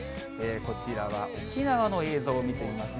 こちらは沖縄の映像を見てみます。